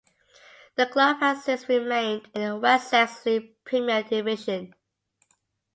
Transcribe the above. The club has since remained in the Wessex League Premier Division.